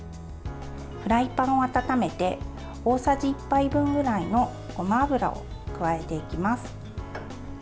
フライパンを温めて大さじ１杯分ぐらいのごま油を加えていきます。